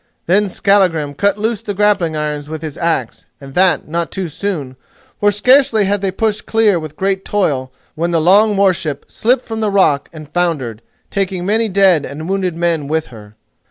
Then Skallagrim cut loose the grappling irons with his axe, and that not too soon, for, scarcely had they pushed clear with great toil when the long warship slipped from the rock and foundered, taking many dead and wounded men with her.